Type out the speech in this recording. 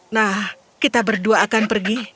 nah kita berdua akan pergi